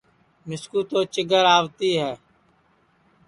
مِسکُو تو چیگر آوتی ہے